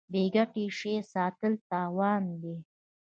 بې ګټې شی ساتل تاوان دی.